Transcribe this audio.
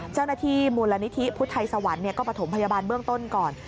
เจ้าหน้าที่มูลนิธิพุทธไทยสวรรค์ก็ประถมพยาบาลเบื้องต้นก่อน